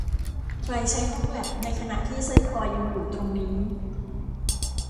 ใครใช้ห้องแลปในขณะที่สร้อยคอยังอยู่ตรงนี้